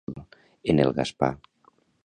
Quines imatges va inspirar l'animal en el Gaspar?